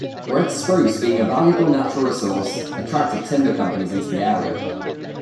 Red spruce, being a valuable natural resource, attracted timber companies into the area.